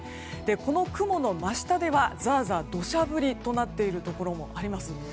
この雲の真下ではザーザー土砂降りとなっているところもあります。